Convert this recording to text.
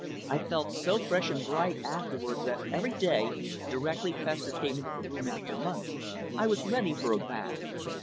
I felt so fresh and bright afterwards that every day, directly Fessor came into the room after lunch, I was ready for a bath.